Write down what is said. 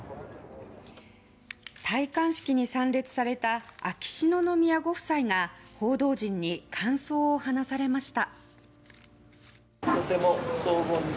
戴冠式に参列された秋篠宮ご夫妻が報道陣に感想を話されました。